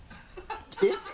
えっ！？